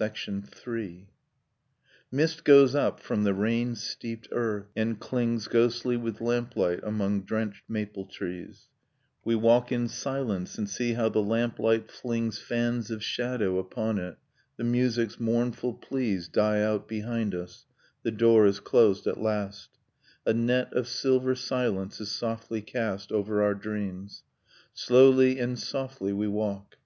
III. Mist goes up from the rain steeped earth, and clings Ghostly with lamplight among drenched maple trees, We walk in silence and see how the lamplight flings Nocturne of Remembered Spring Fans of shadow upon it. . .the music's mournful pleas Die out behind us, the door is closed at last, A net of silver silence is softly cast Over our dreams ... slowly and softly we walk.